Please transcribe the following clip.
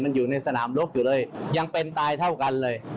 มันอยู่ในสนามรบอยู่เลยยังเป็นตายเท่ากันเลย